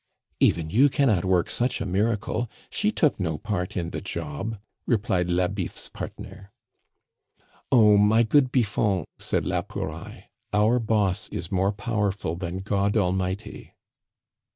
"Even you cannot work such a miracle. She took no part in the job," replied la Biffe's partner. "Oh, my good Biffon," said la Pouraille, "our boss is more powerful than God Almighty."